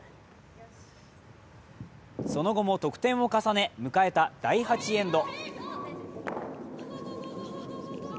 その後も得点を重ね、迎えた第８エンド。